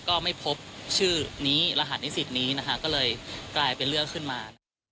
ก็ไม่พบชื่อนี้รหัสนิสิตนี้นะคะก็เลยกลายเป็นเรื่องขึ้นมา